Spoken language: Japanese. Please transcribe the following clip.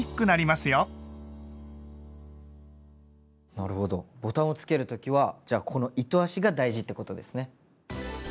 なるほどボタンをつける時はじゃあこの糸足が大事ってことですね。